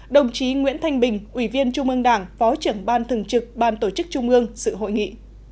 đồng chí nguyễn thanh bình ủy viên trung ương đảng phó trưởng ban thường trực ban tổ chức trung ương sự hội nghị